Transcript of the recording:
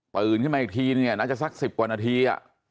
ปืนเข้ามาอีกทีนี่น่าจะสัก๑๐กว่านาที